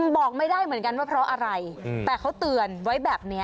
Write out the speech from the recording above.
บอกไม่ได้เหมือนกันว่าเพราะอะไรแต่เขาเตือนไว้แบบนี้